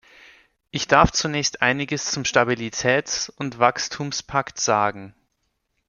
Ich darf zunächst einiges zum Stabilitäts- und Wachstumspakt sagen.